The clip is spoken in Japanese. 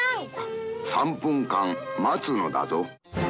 「３分間待つのだぞ」。